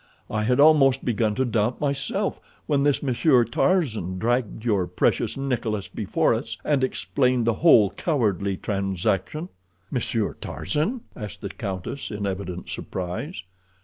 I had almost begun to doubt myself when this Monsieur Tarzan dragged your precious Nikolas before us, and explained the whole cowardly transaction." "Monsieur Tarzan?" asked the countess, in evident surprise.